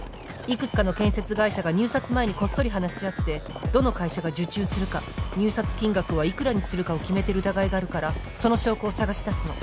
幾つかの建設会社が入札前にこっそり話し合ってどの会社が受注するか入札金額は幾らにするかを決めてる疑いがあるからその証拠を捜し出すの。